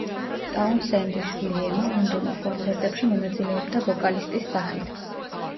ტაუნსენდის შვილი ემა ლონდონურ კონცერტებში მონაწილეობდა ვოკალისტის სახით.